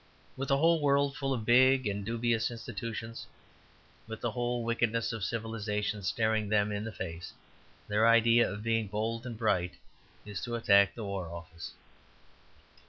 With the whole world full of big and dubious institutions, with the whole wickedness of civilization staring them in the face, their idea of being bold and bright is to attack the War Office.